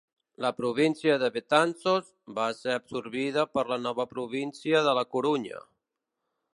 La província de Betanzos va ser absorbida per la nova província de la Corunya.